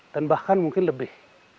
dan bahkan mungkin lebih